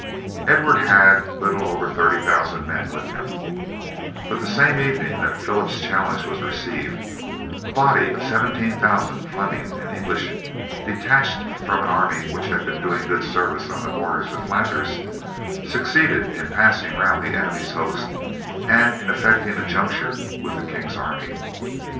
Edward had little over 30,000 men with him; but the same evening that Phillip's challenge was received a body of 17,000 Flemings and English, detached from an army which had been doing good service on the borders of Flanders, succeeded in passing round the enemy's host and in effecting a junction with the king's army.